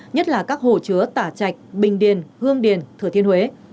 nhất là các hồ chứa tả trạch bình điền hương điền thừa thiên huế